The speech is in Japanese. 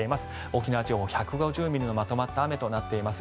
沖縄地方、１５０ミリのまとまった雨となっています。